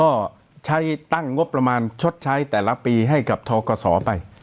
ก็ใช้ตั้งงบประมาณชดใช้แต่ละปีให้กับทกศไป